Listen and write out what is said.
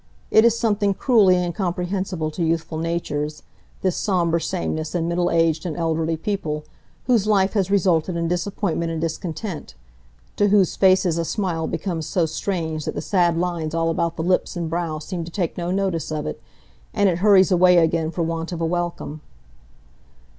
It is something cruelly incomprehensible to youthful natures, this sombre sameness in middle aged and elderly people, whose life has resulted in disappointment and discontent, to whose faces a smile becomes so strange that the sad lines all about the lips and brow seem to take no notice of it, and it hurries away again for want of a welcome.